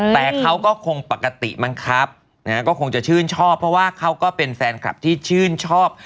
แต่เขาก็คงปกติมั้งครับนะฮะก็คงจะชื่นชอบเพราะว่าเขาก็เป็นแฟนคลับที่ชื่นชอบ